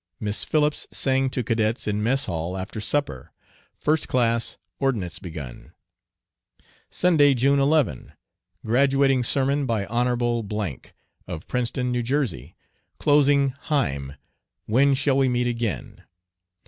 Miss Philips sang to cadets in mess hall after supper. First class, ordnance begun. Sunday, June 11. Graduating sermon by Hon. , of Princeton, N. J., closing "hime," "When shall we meet again?"